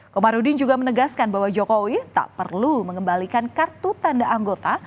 komarudin juga menegaskan bahwa jokowi tak perlu mengembalikan kartu tanda anggota